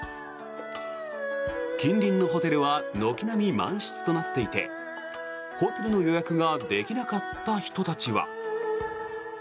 近隣のホテルは軒並み満室となっていてホテルの予約ができなかった人たちは。